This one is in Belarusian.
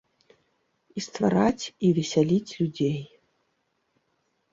І ствараць, і весяліць людзей.